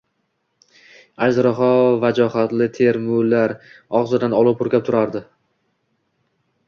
Ajdarho vajohatli termular, og`zidan olov purkab turardi